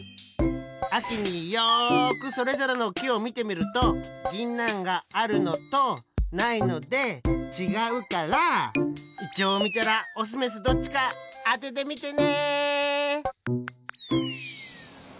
あきによくそれぞれのきをみてみるとぎんなんがあるのとないのでちがうからイチョウをみたらオスメスどっちかあててみてね！